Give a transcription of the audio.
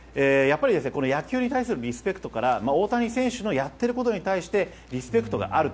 野球に対するリスペクトから大谷選手のやっていることに対してリスペクトがある。